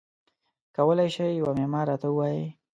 کولای شی یوه معما راته ووایی؟